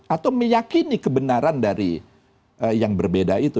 atau meyakini kebenaran dari yang berbeda itu